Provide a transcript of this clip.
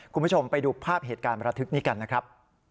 คุณผู้ชมไปดูภาพเหตุการณ์ประทึกนี้กันนะครับ